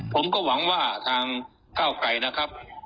ผมก็หวังว่าทางก้าวไกรนะครับ